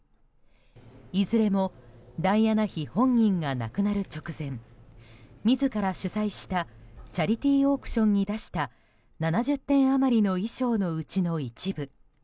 いずれもダイアナ妃本人が亡くなる直前自ら主催したチャリティーオークションに出した７０点余りの衣装のうちの一部。